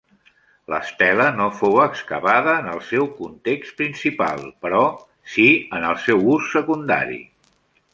L'estela no fou excavada en el seu context principal, però sí en el seu ús secundari.